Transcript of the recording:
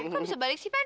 kok bisa balik sih ban